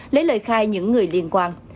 lấy lời khai những người liên quan